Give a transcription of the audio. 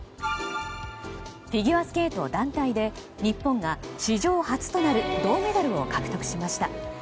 フィギュアスケート団体で日本が史上初となる銅メダルを獲得しました。